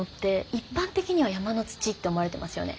一般的には山の土って思われてますよね？